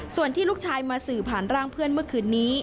ส่วนที่ลูกชายมาสื่อผ่านร่างเพื่อนเมื่อคืนนี้